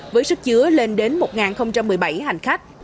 với sức chứa lên đến một một mươi bảy hành khách